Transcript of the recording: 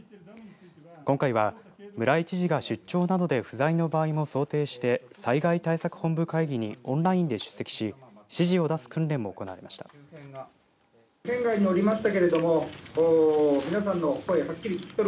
今回の村井知事が出張などで不在の場合を想定して災害対策本部会議にオンラインで出席し指示を出す訓練も行っていました。